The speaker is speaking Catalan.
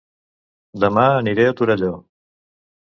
Dema aniré a Torelló